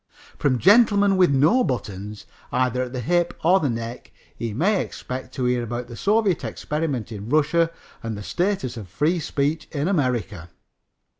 From gentlemen with no buttons, either at the hips or the neck, he may expect to hear about the soviet experiment in Russia and the status of free speech in America.